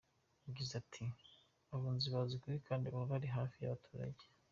Yagize ati“ Abunzi bazi ukuri kandi baba bari hafi y’abaturage.